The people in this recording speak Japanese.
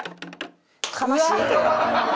悲しいて。